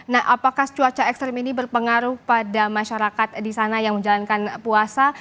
nah apakah cuaca ekstrim ini berpengaruh pada masyarakat di sana yang menjalankan puasa